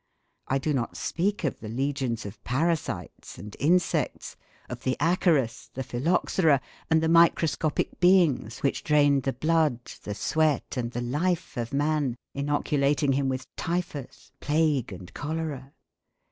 I do not speak of the legions of parasites and insects, of the acarus, the phylloxera, and the microscopic beings which drained the blood, the sweat, and the life of man, inoculating him with typhus, plague, and cholera.